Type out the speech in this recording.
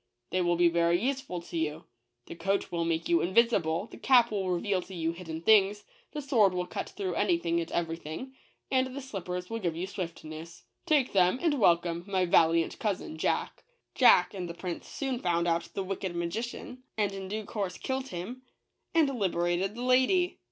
"They will be very useful to you. The coat wiil make you invisible; the cap will reveal to you hidden things; the sword will cut through anything and everything; and the slippers will give you swiftness ; take them, and welcome, m) valiant cousin, Jack." Jack and the prince soon found out the wicked magician, and in due course killed him, and liberated the lady.